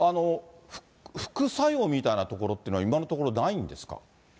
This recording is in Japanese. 副作用みたいなところっていうのは今のところないんですか？